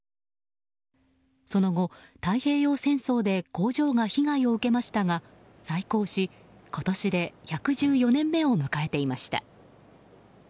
その後、太平洋戦争で工場が被害を受けましたが再興し今年で１１４年目を迎えていました。